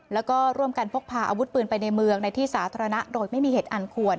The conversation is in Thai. แล้วก็ร่วมกันพกพาอาวุธปืนไปในเมืองในที่สาธารณะโดยไม่มีเหตุอันควร